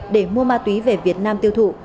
để mua ma túy về việt nam tiêu thụ